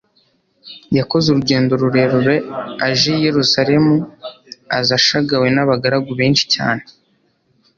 yakoze urugendorurerure aje i yerusalemu aza ashagawe n'abagaragu benshi cyane